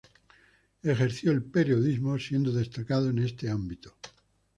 Ejerció el periodismo, siendo destacado en este ámbito.